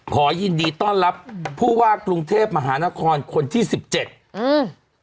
ขอยินดีต้อนรับผู้ว่ากรุงเทพมหานครคนที่สิบเจ็ดอืม